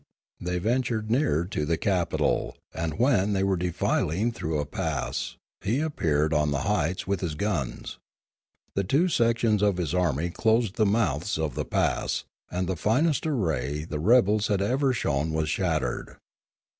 They ventured nearer to the capital; and when they were defiling through a pass he appeared on the heights with his guns. The two sections of his army closed the mouths of the pass, and the finest array the rebels had ever shown was shattered.